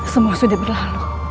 semua sudah berlalu